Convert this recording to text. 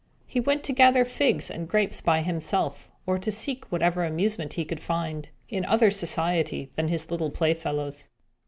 He went to gather figs and grapes by himself, or to seek whatever amusement he could find, in other society than his little playfellow's.